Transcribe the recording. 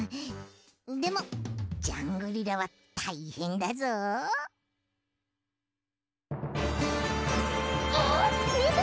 でもジャングリラはたいへんだぞ。あっみて！